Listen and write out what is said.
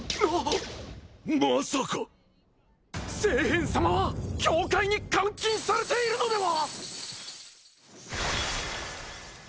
まさか・聖変様は教会に監禁されているのでは！？